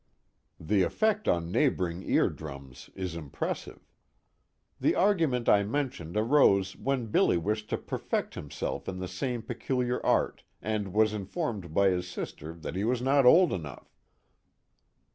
The effect on neighboring eardrums is impressive. The argument I mentioned arose when Billy wished to perfect himself in the same peculiar art and was informed by his sister that he was not old enough."